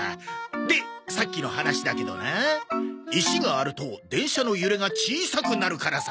でさっきの話だけどな石があると電車の揺れが小さくなるからさ。